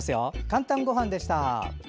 「かんたんごはん」でした。